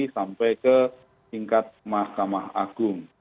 sampai ke tingkat mahkamah agung